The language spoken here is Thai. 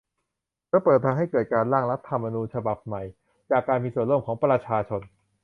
และเปิดทางให้เกิดการ "ร่าง" รัฐธรรมนูญฉบับใหม่ จากการมีส่วนร่วมของประชาชน